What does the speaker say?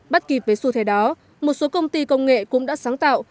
bắt kịp với xu thế đó một số công ty công nghệ cũng đã sáng tạo